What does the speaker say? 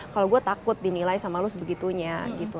kalau gue takut dinilai sama lo sebegitunya gitu